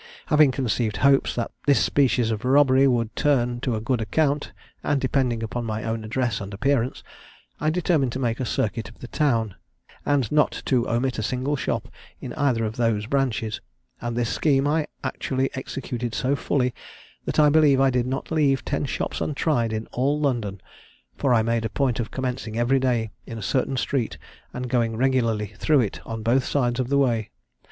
Having conceived hopes that this species of robbery would turn to a good account, and depending upon my own address and appearance, I determined to make a circuit of the town, and not to omit a single shop in either of those branches; and this scheme I actually executed so fully, that I believe I did not leave ten shops untried in all London, for I made a point of commencing every day in a certain street, and going regularly through it on both sides of the way.